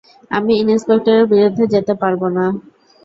আমি ইন্সপেক্টরের বিরুদ্ধে যেতে পারব না।